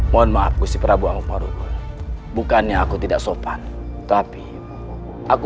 mohon maafku si prabu anggung paruh bukannya aku tidak sopan tapi aku